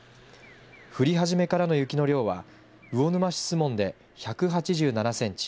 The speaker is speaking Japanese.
降り始めからの雪の量は魚沼市守門で１８７センチ